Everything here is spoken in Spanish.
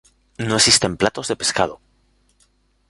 No existen platos de pescado.